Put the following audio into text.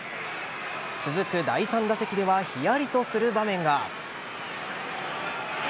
続く第３打席ではヒヤリとする場面が。